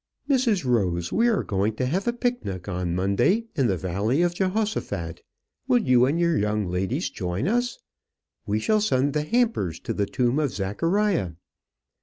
"Mrs. Rose, we are going to have a picnic on Monday in the Valley of Jehoshaphat; will you and your young ladies join us? We shall send the hampers to the tomb of Zachariah."